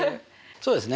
そうですね。